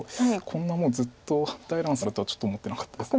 こんなもうずっと大乱戦になるとはちょっと思ってなかったです。